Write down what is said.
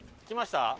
きました？